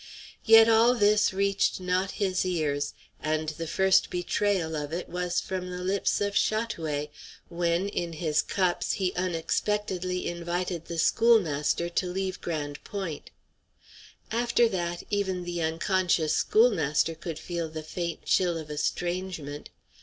Yet all this reached not his ears, and the first betrayal of it was from the lips of Chat oué, when, in his cups, he unexpectedly invited the schoolmaster to leave Grande Pointe. After that, even the unconscious schoolmaster could feel the faint chill of estrangement.